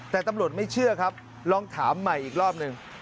แต่ตำรวจไม่เชื่อครับลองถามใหม่อีกรอบหนึ่ง